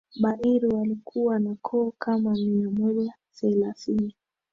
Bairu walikuwa na koo kama mia moja thelathini